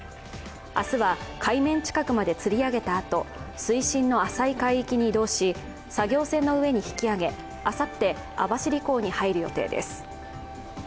明日は海面近くまでつり上げたあと水深の浅い海域に移動し、作業船の上に引き揚げ、あさって、網走港に入る予定です。